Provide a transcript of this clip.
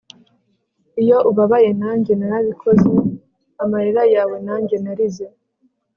iyo ubabaye, nanjye narabikoze; amarira yawe nanjye narize